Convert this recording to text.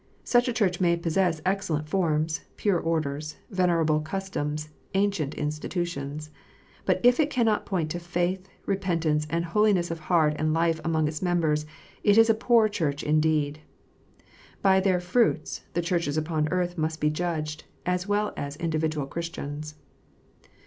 Such a Church may possess excellent forms, pure orders, venerable customs, ancient institutions. But if it cannot point to faith, repentance, and holiness of heart and life among its members, it is a poor Church indeed. "By their fruits " the Churches upon earth must be judged, as well as individual Christians.